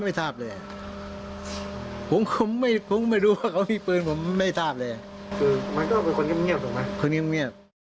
มันก็ลงเมื่อกี๊